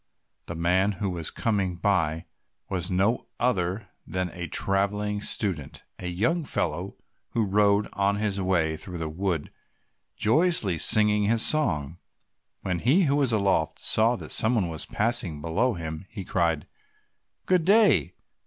The man who was coming by was no other than a travelling student, a young fellow who rode on his way through the wood joyously singing his song. When he who was aloft saw that someone was passing below him, he cried, "Good day!